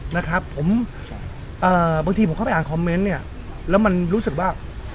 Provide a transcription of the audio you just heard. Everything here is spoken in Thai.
นะครับผมเอ่อบางทีผมเข้าไปอ่านคอมเมนต์เนี่ยแล้วมันรู้สึกว่า